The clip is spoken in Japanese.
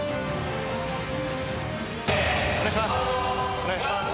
お願いします。